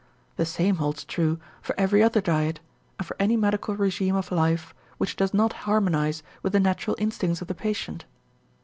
The same holds true for every other diet and for any medical régime of life which does not harmonize with the natural instincts of the patient.